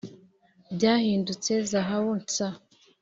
byahindutse zahabu nsa!